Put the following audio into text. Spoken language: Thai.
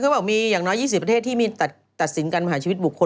คือบอกมีอย่างน้อย๒๐ประเทศที่มีตัดสินการประหารชีวิตบุคคล